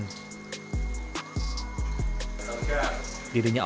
pria berusia empat puluh delapan tahun ini tekun merawat ikan hias menjadi terasa kurang besar